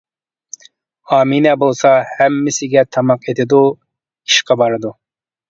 ئامىنە بولسا، ھەممىسىگە تاماق ئېتىدۇ، ئىشقا بارىدۇ.